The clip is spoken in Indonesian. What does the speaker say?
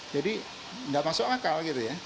jadi gak masuk akal gitu ya